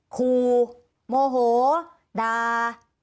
คูโมโหดา